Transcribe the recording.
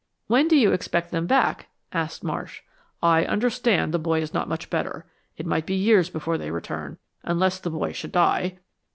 "When do you expect them back?" asked Marsh. "I understand the boy is not much better. It might be years before they return, unless the boy should die."